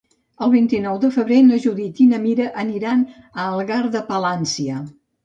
El vint-i-nou de febrer na Judit i na Mira aniran a Algar de Palància.